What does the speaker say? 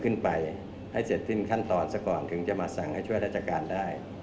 ขึ้นไปให้เสร็จสิ้นขั้นตอนซะก่อนถึงจะมาสั่งให้ช่วยราชการได้